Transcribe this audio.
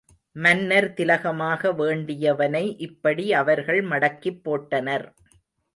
மன்னர் திலகமாக வேண்டியவனை இப்படி அவர்கள் மடக்கிப் போட்டனர்.